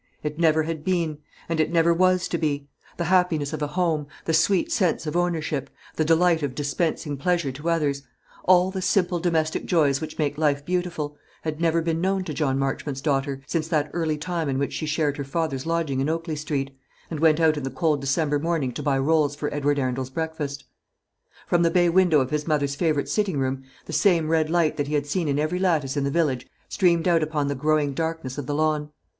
It never had been; and it never was to be. The happiness of a home; the sweet sense of ownership; the delight of dispensing pleasure to others; all the simple domestic joys which make life beautiful, had never been known to John Marchmont's daughter, since that early time in which she shared her father's lodging in Oakley Street, and went out in the cold December morning to buy rolls for Edward Arundel's breakfast. From the bay window of his mother's favourite sitting room the same red light that he had seen in every lattice in the village streamed out upon the growing darkness of the lawn.